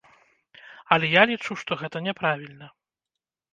Але я лічу, што гэта няправільна.